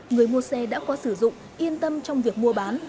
người mua xe đã có sử dụng yên tâm trong việc mua bán